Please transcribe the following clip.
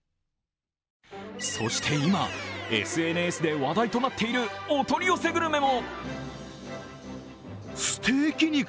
そして今、ＳＮＳで話題となっているお取り寄せグルメも。